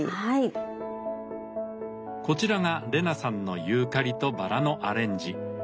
こちらが麗奈さんのユーカリとバラのアレンジ。